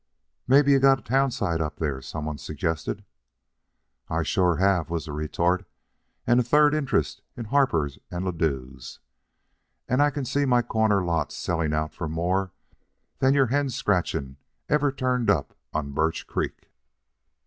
"Mebbe you got a town site up there," some one suggested. "I sure have," was the retort, "and a third interest in Harper and Ladue's. And I can see my corner lots selling out for more than your hen scratching ever turned up on Birch Creek."